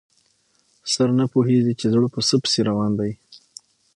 سر نه پوهېږي چې زړه په څه پسې روان دی.